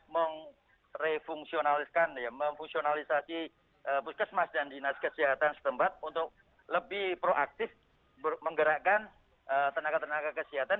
mengrefungsionalisonalisasi puskesmas dan dinas kesehatan setempat untuk lebih proaktif menggerakkan tenaga tenaga kesehatan